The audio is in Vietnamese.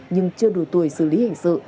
nhưng chưa đủ tuổi xử lý hình sự